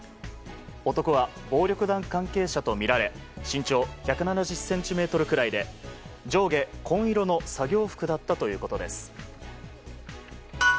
男は暴力団関係者とみられ身長１７０ｃｍくらいで上下紺色の作業服だったということです。